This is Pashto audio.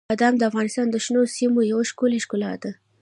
بادام د افغانستان د شنو سیمو یوه ښکلې ښکلا ده.